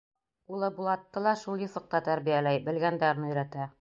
Улы Булатты ла шул юҫыҡта тәрбиәләй, белгәндәрен өйрәтә.